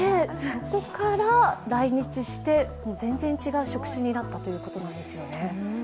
そこから来日して、全然違う職種になったということなんですよね。